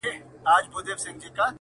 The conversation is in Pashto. د دوست دوست او د کافر دښمن دښمن یو؛